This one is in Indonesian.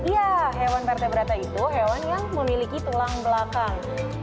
ya hewan vertebrata itu hewan yang memiliki tulang belakang